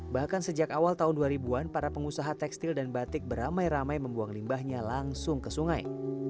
bahkan sejak awal tahun dua ribu an para pengusaha tekstil dan batik beramai ramai membuang limbahnya langsung ke sungai